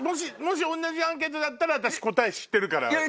もし同じアンケートだったら私答え知ってるから。